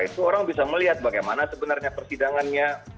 itu orang bisa melihat bagaimana sebenarnya persidangannya